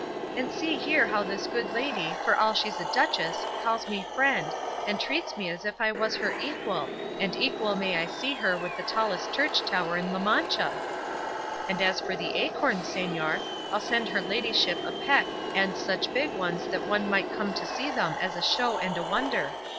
And see here how this good lady, for all she's a duchess, calls me 'friend,' and treats me as if I was her equal and equal may I see her with the tallest church tower in La Mancha! And as for the acorns, señor, I'll send her ladyship a peck and such big ones that one might come to see them as a show and a wonder.